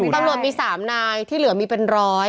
ตำรวจมี๓นายที่เหลือมีเป็นร้อย